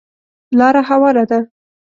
لاره هواره ده .